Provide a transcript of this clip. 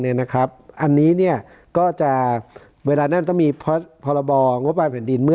จะมีกว้างองค์บางแผ่นดิน